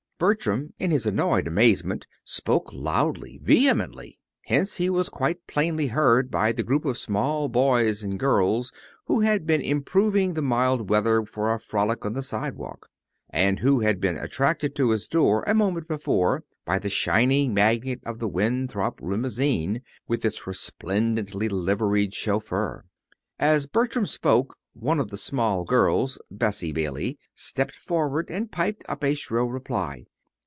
Bertram, in his annoyed amazement, spoke loudly, vehemently. Hence he was quite plainly heard by the group of small boys and girls who had been improving the mild weather for a frolic on the sidewalk, and who had been attracted to his door a moment before by the shining magnet of the Winthrop limousine with its resplendently liveried chauffeur. As Bertram spoke, one of the small girls, Bessie Bailey, stepped forward and piped up a shrill reply.